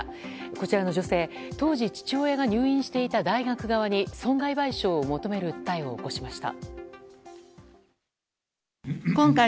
こちらの女性、当時父親が入院していた大学側に損害賠償を求める訴えを起こしました。